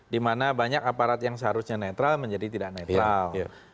dimana banyak aparat yang seharusnya netral menjadi tidak netral